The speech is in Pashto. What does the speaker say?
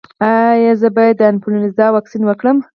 ایا زه باید د انفلونزا واکسین وکړم؟